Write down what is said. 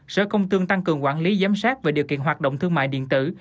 sở công thương tăng cường quản lý giám sát về điều kiện hoạt động thương mại điện tử